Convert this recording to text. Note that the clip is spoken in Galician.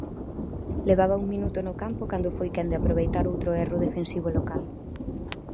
Levaba un minuto na campo cando foi quen de aproveitar outro erro defensivo local.